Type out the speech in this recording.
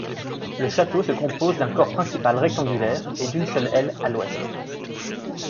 Le château se compose d'un corps principal rectangulaire et d'une seule aile à l'ouest.